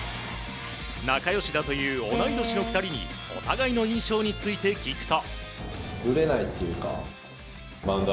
仲良しだという同い年の２人にお互いの印象について聞くと。